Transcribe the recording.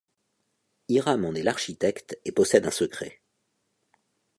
Hiram en est l'architecte et possède un secret.